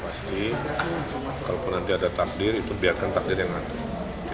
pasti pasti kalau nanti ada takdir itu biarkan takdir yang nanti